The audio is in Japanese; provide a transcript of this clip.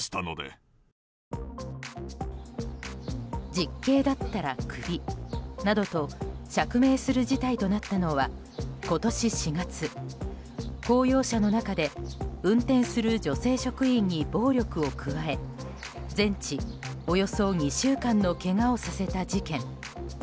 実刑だったらクビなどと釈明する事態となったのは今年４月、公用車の中で運転する女性職員に暴力を加え全治およそ２週間のけがをさせた事件。